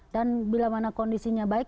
dan bila mana kondisinya baik